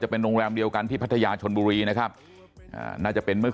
เป็นโรงแรมเดียวกันที่พัทยาชนบุรีนะครับอ่าน่าจะเป็นเมื่อ